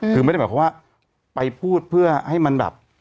คือไม่ได้แบบว่าไปพูดเพื่อให้มันแบบ